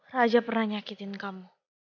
raja pernah menyakiti kamu